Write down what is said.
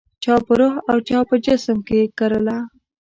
چا په روح او چا په جسم کې کرله